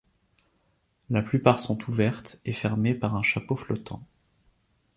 La plupart sont ouvertes, et fermées par un chapeau flottant.